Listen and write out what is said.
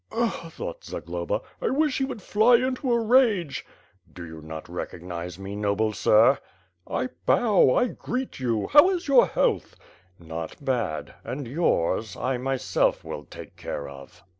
'TJgh!" thought Zagloba, "I wish he would fly into a rage." "Do you not recognize me, noble sir?" "I bow, I greet you! How is your health?" "Not bad. And yours, I myself will take care of."